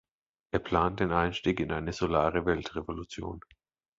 Er plant den Einstieg in eine „solare Weltrevolution“.